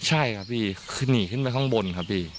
ใช่ครับพี่คือหนีขึ้นไปข้างบนครับพี่